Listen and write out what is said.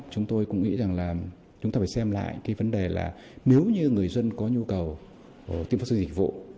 chúng tôi cũng nghĩ rằng là chúng ta phải xem lại cái vấn đề là nếu như người dân có nhu cầu tiêm vaccine dịch vụ